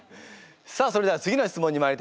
さあそれでは次の質問にまいりたいと思います。